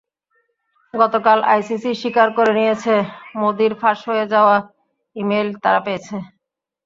গতকাল আইসিসি স্বীকার করে নিয়েছে, মোদীর ফাঁস হয়ে যাওয়া ই-মেইল তারা পেয়েছিল।